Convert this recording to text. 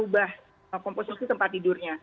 bahwa komposisi tempat tidurnya